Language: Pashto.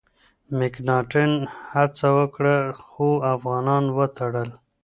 مکناتن هڅه وکړه، خو افغانان وتړل.